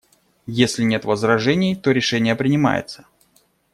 Если нет возражений, то решение принимается.